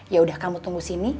ya udah kamu tunggu sini